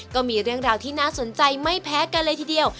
ก็มีเรื่องราวที่น่าสนใจไม่แพ้กันเลยทีเดียว